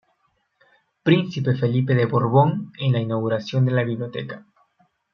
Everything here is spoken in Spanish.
Príncipe Felipe de Borbón en la inauguración de la Biblioteca.